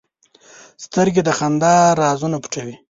سترګې د خندا رازونه پټوي